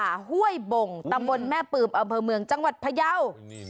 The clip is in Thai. วัดป่าห้วยบงกตำบลแม่ปืมอ๋อเมืองจังหวัดพยาว